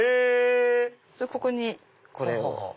ここにこれを。